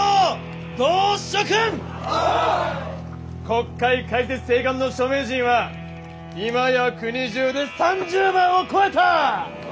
国会開設請願の署名人は今や国中で３０万を超えた！